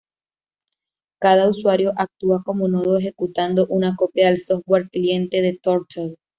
Cada usuario actúa como nodo ejecutando una copia del software cliente de Turtle.